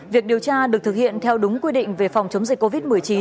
việc điều tra được thực hiện theo đúng quy định về phòng chống dịch covid một mươi chín